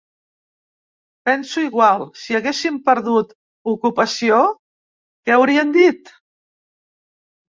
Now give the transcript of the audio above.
Penso igual, si haguéssim perdut ocupació, què haurien dit?